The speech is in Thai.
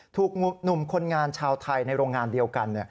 ถูกหนุ่มคนงานชาวไทยในโรงงานเดียวกัน